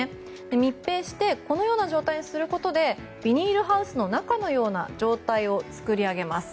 密閉してこのような状態にすることでビニールハウスの中のような状態を作り上げます。